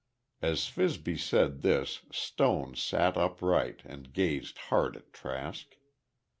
As Fibsy said this, Stone sat upright, and gazed hard at Trask.